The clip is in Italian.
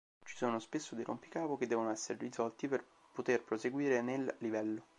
Ci sono spesso dei rompicapo che devono essere risolti per poter proseguire nel livello.